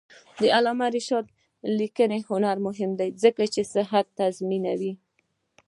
د علامه رشاد لیکنی هنر مهم دی ځکه چې صحت تضمینوي.